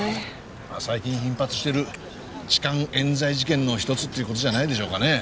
最近頻発してる痴漢冤罪事件の１つっていう事じゃないでしょうかね。